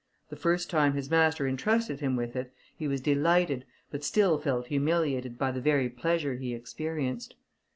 The first time his master intrusted him with it, he was delighted, but still felt humiliated by the very pleasure he experienced.